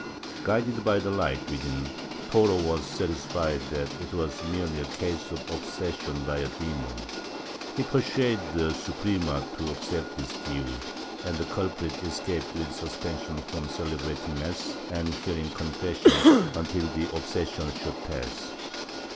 Guided by the light within, Toro was satisfied that it was merely a case of obsession by the demon; he persuaded the Suprema to accept this view, and the culprit escaped with suspension from celebrating mass and hearing confessions until the obsession should pass.